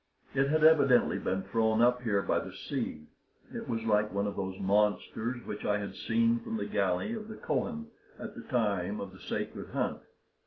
It had evidently been thrown up here by the sea. It was like one of those monsters which I had seen from the galley of the Kohen at the time of the sacred hunt.